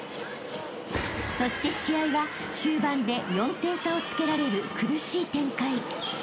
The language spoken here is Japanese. ［そして試合は終盤で４点差をつけられる苦しい展開］